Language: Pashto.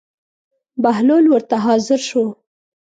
بهلول ورته حاضر شو.